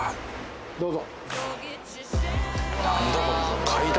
どうぞ。